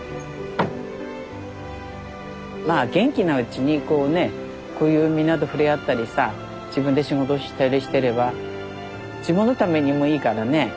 まあ元気なうちにこうねこういうみんなと触れ合ったりさ自分で仕事したりしてれば自分のためにもいいからね。